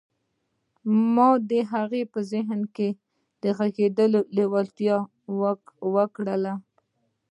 ما د هغه په ذهن کې د غږېدلو لېوالتیا وکرله